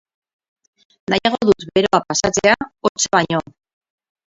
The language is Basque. Nahiago dut beroa pasatzea, hotza baino.